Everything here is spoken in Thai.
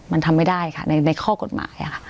มันทำไม่ได้ค่ะในข้อกฎหมายค่ะ